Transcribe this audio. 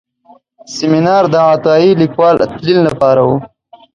سیمینار د عطایي لیکوال تلین لپاره و.